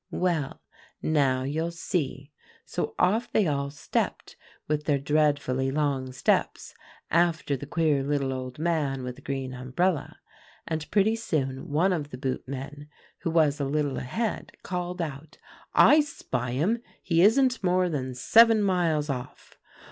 "Well, now you'll see; so off they all stepped, with their dreadfully long steps, after the queer little old man with the green umbrella, and pretty soon one of the boot men, who was a little ahead, called out, 'I spy him; he isn't more than seven miles off.